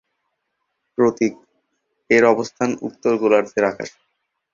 প্রতীক ।এর অবস্থান উত্তর গোলার্ধের আকাশে।